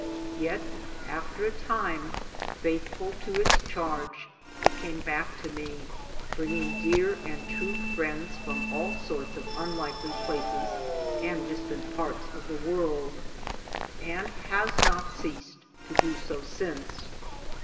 Yet after a time, faithful to its charge, it came back to me, bringing dear and true friends from all sorts of unlikely places and distant parts of the world ; and has not ceased to do so since.